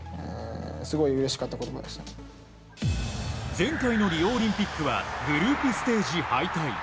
前回のリオオリンピックはグループステージ敗退。